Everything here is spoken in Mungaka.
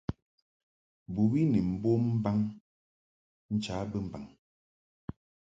Bɨwi ni mbom mbaŋ ncha bɨmbaŋ.